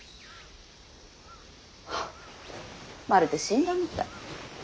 はっまるで死んだみたい。